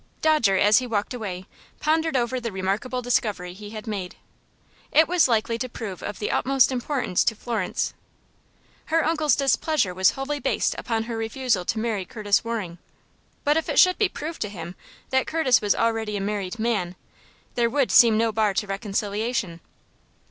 Dodger, as he walked away, pondered over the remarkable discovery he had made. It was likely to prove of the utmost importance to Florence. Her uncle's displeasure was wholly based upon her refusal to marry Curtis Waring, but if it should be proved to him that Curtis was already a married man, there would seem no bar to reconciliation.